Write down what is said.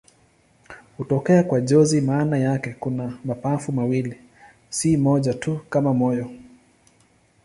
Hutokea kwa jozi maana yake kuna mapafu mawili, si moja tu kama moyo.